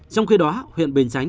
trong khi đó huyện bình chánh